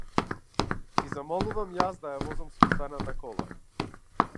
Ги замолувам јас да ја возам сопствената кола.